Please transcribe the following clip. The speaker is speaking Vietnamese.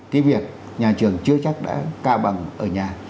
cái việc nhà trường chưa chắc đã cao bằng ở nhà